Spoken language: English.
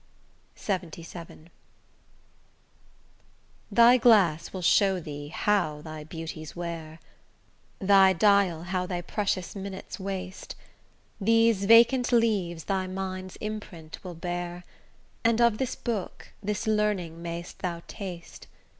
LXXVII Thy glass will show thee how thy beauties wear, Thy dial how thy precious minutes waste; These vacant leaves thy mind's imprint will bear, And of this book, this learning mayst thou taste.